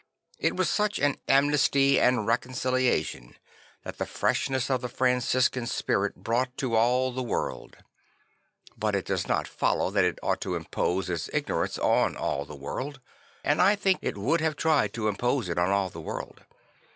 It was such an amnesty and reconciliation that the freshness 'Ihe 'Testament of St. Francis 179 of the Franciscan spirit brought to all the world. But it does not follow that it ought to impose its ignorance on all the world. And I think it would have tried to impose it on all the world.